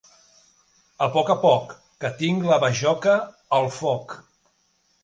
A poc a poc, que tinc la bajoca al foc.